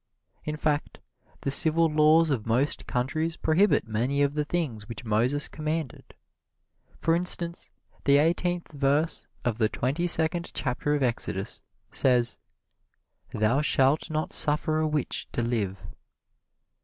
In fact, the civil laws of most countries prohibit many of the things which Moses commanded. For instance, the eighteenth verse of the twenty second chapter of Exodus says, "Thou shalt not suffer a witch to live."